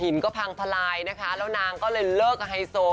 ก็พังทลายนะคะแล้วนางก็เลยเลิกกับไฮโซ